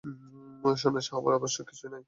সন্ন্যাসী হবার আবশ্যক কিছুই নাই।